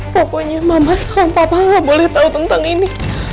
pokoknya mama sama papa gak boleh tau tentang ini